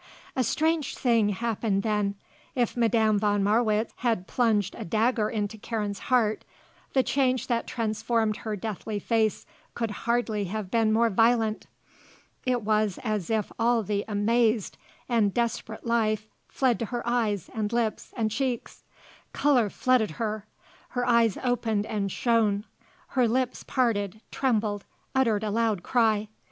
A strange thing happened then. If Madame von Marwitz had plunged a dagger into Karen's heart, the change that transformed her deathly face could hardly have been more violent. It was as if all the amazed and desperate life fled to her eyes and lips and cheeks. Colour flooded her. Her eyes opened and shone. Her lips parted, trembled, uttered a loud cry.